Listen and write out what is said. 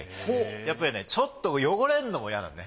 やっぱりねちょっと汚れるのも嫌なのね。